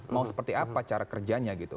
mau seperti apa cara kerjanya gitu